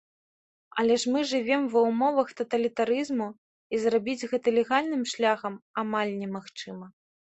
Але ж мы жывём ва ўмовах таталітарызму і зрабіць гэта легальным шляхам амаль немагчыма.